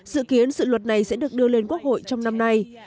dự kiến sự luật này sẽ được đưa lên quốc hội trong năm nay